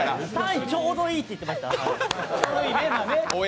３位、ちょうどいいって言われました。